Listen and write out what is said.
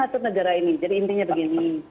atur negara ini jadi intinya begini